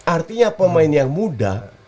artinya pemain yang muda